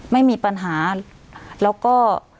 ไม่มีปัญหาแล้วก็